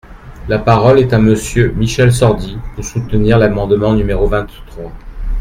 La parole est à Monsieur Michel Sordi, pour soutenir l’amendement numéro vingt-trois.